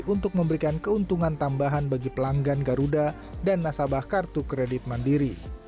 untuk memberikan keuntungan tambahan bagi pelanggan garuda dan nasabah kartu kredit mandiri